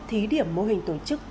thí điểm mô hình tổ chức